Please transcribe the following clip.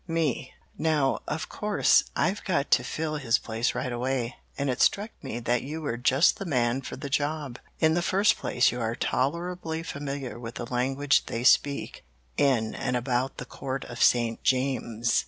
"Me Now, of course, I've got to fill his place right away, and it struck me that you were just the man for the job. In the first place you are tolerably familiar with the language they speak in and about the Court of St. James's.